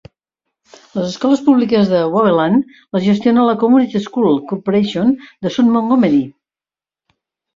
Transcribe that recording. Les escoles públiques de Waveland les gestiona la Community School Corporation de South Montgomery.